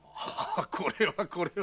これはこれは。